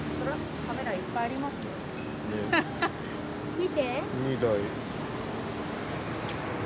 見て。